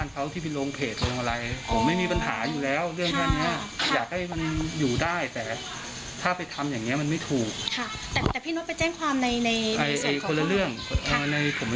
กำกาวรหาที่น่ะ